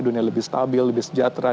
dunia lebih stabil lebih sejahtera